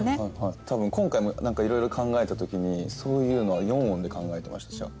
多分今回も何かいろいろ考えた時にそういうのは四音で考えてましたじゃあ。